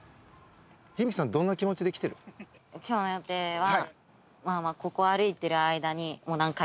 今日の予定は。